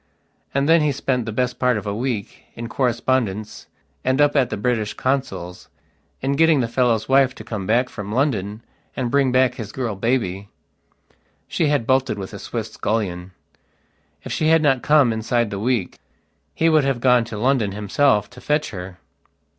And then he spent the best part of a week, in correspondence and up at the British consul's, in getting the fellow's wife to come back from London and bring back his girl baby. She had bolted with a Swiss scullion. If she had not come inside the week he would have gone to London himself to fetch her.